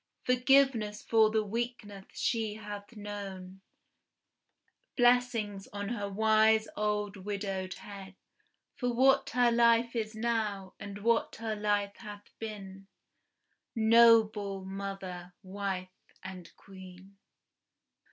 Forgiveness for the weakness she hath known! Blessings on her wise old widowed head, For what her life is now, and what her life hath been, Noble mother, wife and Queen!